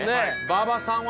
馬場さんは？